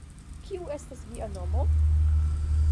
Kiu estas via nomo?